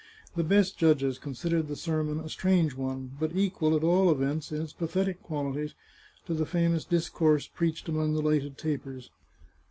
The best judges con sidered the sermon a strange one, but equal, at all events, in its pathetic qualities, to the famous discourse preached among the lighted tapers.